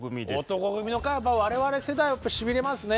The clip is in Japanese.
男闘呼組の回は我々世代はしびれますね。